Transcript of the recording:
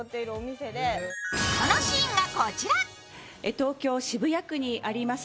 東京・渋谷区にあります